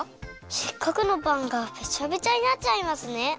せっかくのパンがベチャベチャになっちゃいますね。